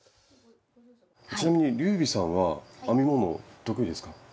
ちなみに龍美さんは編み物得意ですか？